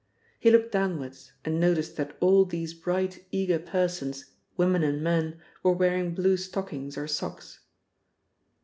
He looked downwards, and noticed that all these bright eager persons, women and men, were wearing blue stockings or socks.